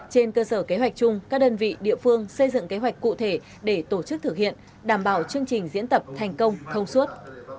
trên cơ sở kế hoạch chung các đơn vị địa phương xây dựng kế hoạch cụ thể để tổ chức thực hiện đảm bảo chương trình diễn tập thành công thông suốt